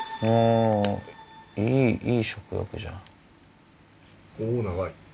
あいい食欲じゃん。